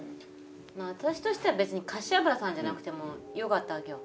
私としては別に柏原さんじゃなくてもよかったわけよ。